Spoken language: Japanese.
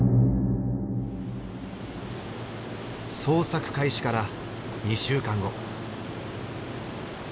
捜索開始から２週間後。